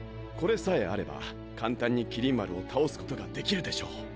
これさえあれば簡単に麒麟丸を倒すことが出来るでしょう！